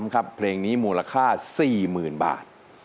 ครับเพลงนี้มูลค่า๔๐๐๐บาท